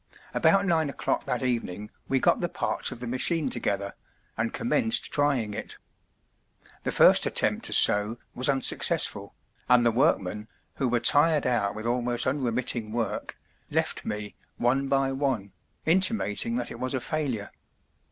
About nine o'clock that evening we got the parts of the machine together, and commenced trying it. The first attempt to sew was unsuccessful, and the workmen, who were tired out with almost unremitting work, left me, one by one, intimating that it was a failure.